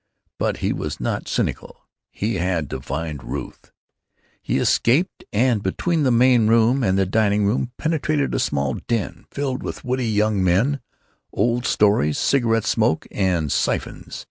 But he was not cynical. He had to find Ruth! He escaped and, between the main room and the dining room, penetrated a small den filled with witty young men, old stories, cigarette smoke, and siphons.